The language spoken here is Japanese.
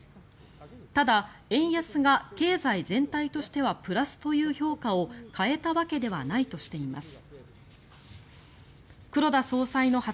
ただ、円安が経済全体としてはプラスという評価を変えたわけではないとしています。